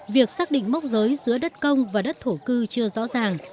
việc xác định mốc giới giữa đất công và đất thổ cư chưa rõ ràng